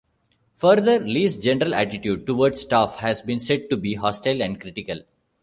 Further, Li's general attitude towards staff has been said to be 'hostile' and 'critical'.